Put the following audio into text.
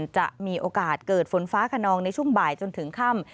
จะมีโอกาสเกิดฝนฟ้าขนองในช่วงบ่ายจนถึงค่ำ